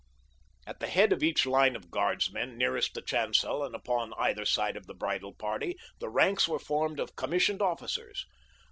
At the head of each line of guardsmen, nearest the chancel and upon either side of the bridal party, the ranks were formed of commissioned officers.